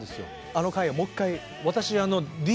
あの回をもう一回。